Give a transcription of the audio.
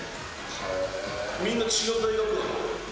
みんな違う大学なの？